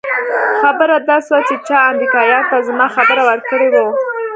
خبره داسې وه چې چا امريکايانو ته زما خبر ورکړى و.